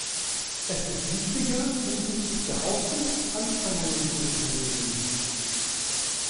Es ist wichtiger, hinsichtlich der Aufsicht Anstrengungen zu unternehmen.